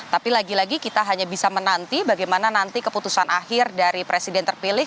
tapi lagi lagi kita hanya bisa menanti bagaimana nanti keputusan akhir dari presiden terpilih